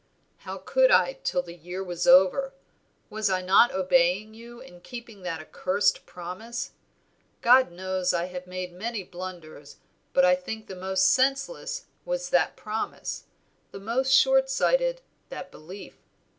"How could I till the year was over? Was I not obeying you in keeping that accursed promise? God knows I have made many blunders, but I think the most senseless was that promise; the most short sighted, that belief.